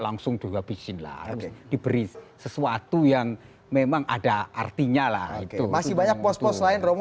langsung dihabisin lah harus diberi sesuatu yang memang ada artinya lah itu masih banyak pos pos lain romo